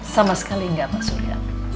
sama sekali enggak pak surya